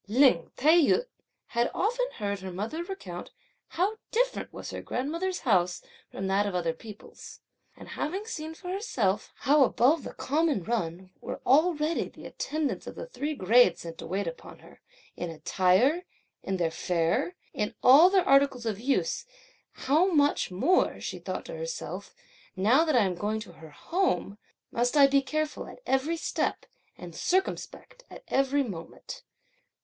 Lin Tai yü had often heard her mother recount how different was her grandmother's house from that of other people's; and having seen for herself how above the common run were already the attendants of the three grades, (sent to wait upon her,) in attire, in their fare, in all their articles of use, "how much more," (she thought to herself) "now that I am going to her home, must I be careful at every step, and circumspect at every moment!